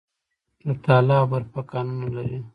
د تاله او برفک کانونه لري